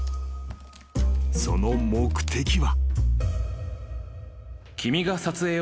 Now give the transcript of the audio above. ［その目的は］